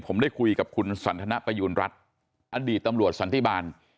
ผมได้คุยกับคุณสันทนประยูณรัฐอดีตตำรวจสันติบาล